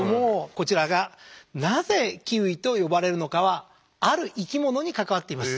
こちらがなぜキウイと呼ばれるのかはある生きものに関わっています。